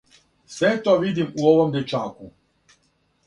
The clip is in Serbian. Све то видим у овом дечаку.